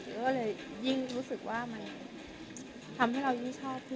ก็เลยยิ่งรู้สึกว่ามันทำให้เรายิ่งชอบขึ้น